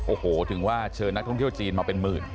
โอ้โหถึงว่าเชิญนักท่องเที่ยวจีนมาเป็นหมื่น